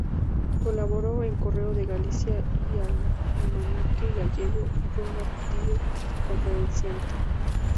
Colaboró en "Correo de Galicia" y "Almanaque Gallego" y fue un activo conferenciante.